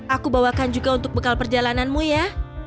aku bawakan juga untuk bekal perjalananmu ya